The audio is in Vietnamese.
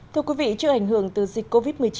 thưa quý vị trước ảnh hưởng từ dịch covid một mươi chín